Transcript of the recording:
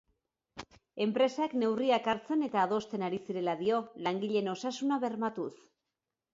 Enpresak neurriak hartzen eta adosten ari zirela dio, langileen osasuna bermatuz.